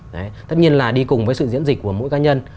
đấy tất nhiên là đi cùng với sự diễn dịch của mỗi cá nhân